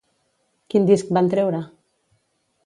Quin disc van treure?